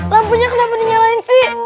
lampunya kenapa dinyalain sih